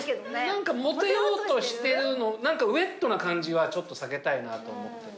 何かモテようとしてるウエットな感じはちょっと避けたいなと思ってて。